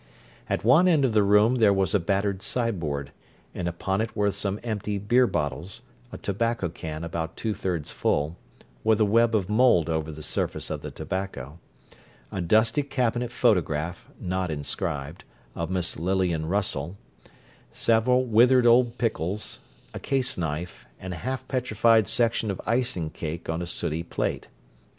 At one end of the room there was a battered sideboard, and upon it were some empty beer bottles, a tobacco can about two thirds full, with a web of mold over the surface of the tobacco, a dusty cabinet photograph (not inscribed) of Miss Lillian Russell, several withered old pickles, a caseknife, and a half petrified section of icing cake on a sooty plate.